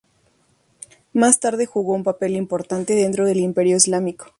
Más tarde jugó un papel importante dentro del Imperio islámico.